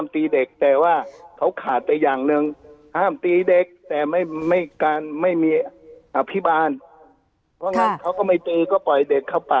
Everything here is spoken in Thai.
ทุกวันนี้เรามีการอภิบาลครับ